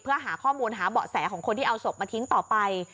เพื่อหาข้อมูลหาเบาะแสของคนที่เอาศพมาทิ้งต่อไป